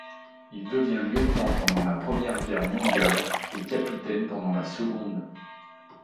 Il devient Lieutenant pendant la Première Guerre mondiale et Capitaine pendant la Seconde.